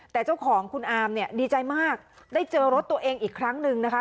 แต่เจ้าของคุณอามเนี่ยดีใจมากได้เจอรถตัวเองอีกครั้งหนึ่งนะคะ